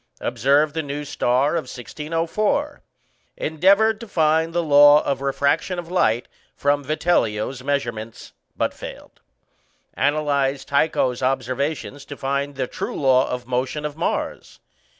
Observed the new star of 1604. Endeavoured to find the law of refraction of light from Vitellio's measurements, but failed. Analyzed Tycho's observations to find the true law of motion of Mars.